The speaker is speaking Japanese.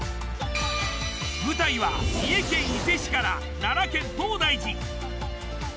舞台は三重県伊勢市から奈良県東大寺。